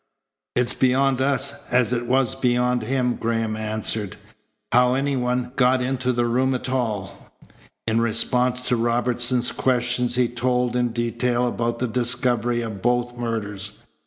"It's beyond us, as it was beyond him," Graham answered, "how any one got into the room at all." In response to Robinson's questions he told in detail about the discovery of both murders.